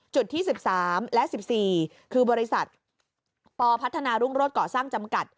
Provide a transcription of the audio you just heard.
ที่๑๓และ๑๔คือบริษัทปพัฒนารุ่งโรศก่อสร้างจำกัด